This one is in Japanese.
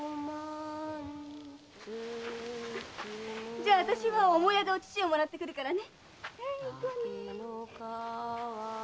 じゃああたしは母屋でお乳をもらってくるからね。